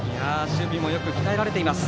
守備もよく鍛えられています。